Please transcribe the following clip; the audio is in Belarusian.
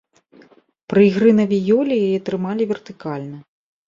Пры ігры на віёле яе трымалі вертыкальна.